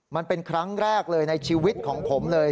มันเป็นครั้งแรกเลยในชีวิตของผมเลย